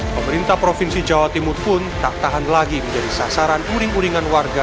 pemerintah provinsi jawa timur pun tak tahan lagi menjadi sasaran uring uringan warga